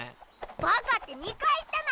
バカって２回言ったな！